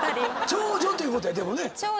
長女ということやでもね。